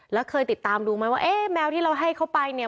แล้วเคยติดตามดูไหมว่าเอ๊ะแมวที่เราให้เขาไปเนี่ย